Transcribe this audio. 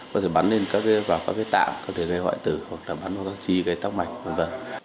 có thể bắn vào các tạm có thể gây hoại tử hoặc là bắn vào các chi gây tóc mạch v v